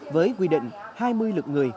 với quy định hai mươi lượt người